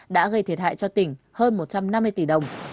đã gây thiệt hại cho tỉnh hơn một trăm năm mươi tỷ đồng